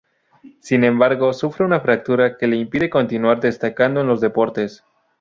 Sin embargo, sufre una fractura que le impide continuar destacando en los deportes.